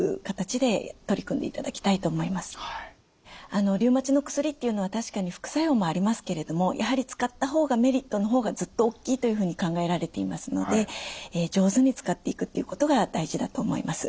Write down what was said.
あのリウマチの薬っていうのは確かに副作用もありますけれどもやはり使ったほうがメリットのほうがずっと大きいというふうに考えられていますので上手に使っていくっていうことが大事だと思います。